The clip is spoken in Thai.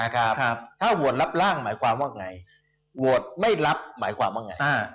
ถ้าโหวตรับร่างหมายความว่าไงโหวตไม่รับหมายความว่าไง